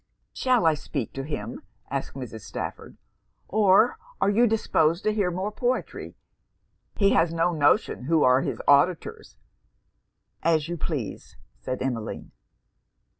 'Shall I speak to him?' asked Mrs. Stafford, 'or are you disposed to hear more poetry? He has no notion who are his auditors.' 'As you please,' said Emmeline.